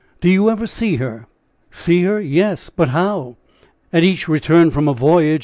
"Do you ever see her?" "See her! yes; but how? at each return from a voyage.